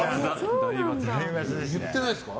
言ってないですか？